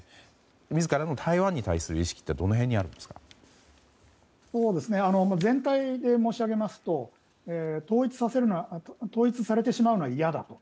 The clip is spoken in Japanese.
自らの台湾に対する意識って全体で申し上げますと統一されてしまうのは嫌だと。